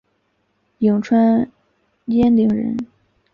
颍川鄢陵人。